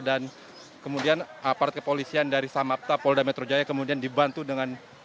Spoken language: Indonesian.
dan kemudian apart kepolisian dari samapta polda metro jaya kemudian dibantu dengan